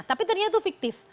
tapi ternyata itu fiktif